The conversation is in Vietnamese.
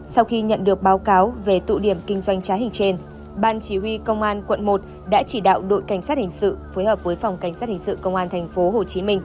sau khi nhận được báo cáo về tụ điểm kinh doanh trá hình trên ban chỉ huy công an quận một đã chỉ đạo đội cảnh sát hình sự phối hợp với phòng cảnh sát hình sự công an tp hcm